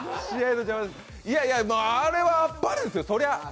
いやいや、あれはあっぱれですよ。